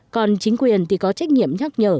còn chính quyền thì có trách nhiệm nhắc nhở